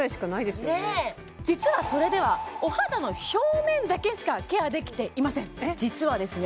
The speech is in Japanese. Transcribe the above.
実はそれではお肌の表面だけしかケアできていません実はですね